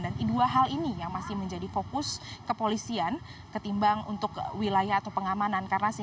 dan dua hal ini yang masih menjadi fokus kepolisian ketimbang untuk wilayah atau pengamanan